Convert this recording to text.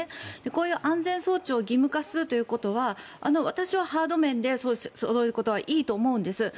こういう安全装置を義務化するということは私はハード面ではいいと思うんですね。